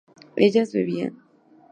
¿ellas bebían?